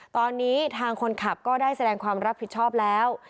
ตอนนี้ทางคนขับก็ได้แสดงความรับผิดชอบแล้ว